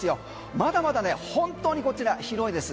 まだまだね本当にこちら広いです。